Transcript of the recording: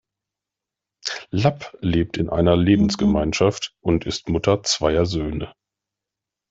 Lapp lebt in einer Lebensgemeinschaft und ist Mutter zweier Söhne.